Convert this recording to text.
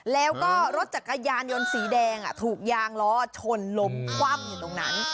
แล้วก็รถจักรยานยนต์สีแดงถูกยางล้อชนลมคว่ำอยู่ตรงนั้น